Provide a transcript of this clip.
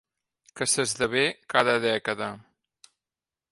Que s'esdevé cada dècada.